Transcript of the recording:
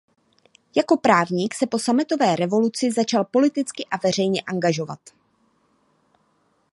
Jako právník se po sametové revoluci začal politicky a veřejně angažovat.